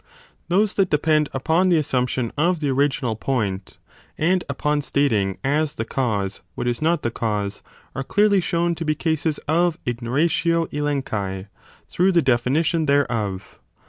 Those that depend upon the assumption of the original point and upon stating as the cause what is not the cause, are clearly shown to be cases of ignoratio elenchi through the definition thereof.